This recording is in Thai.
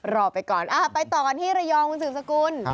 รอไปก่อนไปต่อกันที่ระยองคุณสืบสกุล